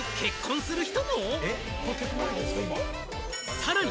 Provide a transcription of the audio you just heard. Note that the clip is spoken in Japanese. さらに。